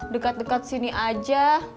dekat dekat sini aja